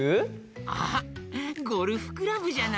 あっゴルフクラブじゃない？